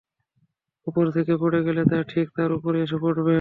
উপর থেকে পড়ে গেলে তা ঠিক তার উপরই এসে পড়বে।